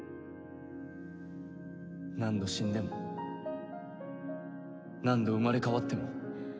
何度死んでも何度生まれ変わっても。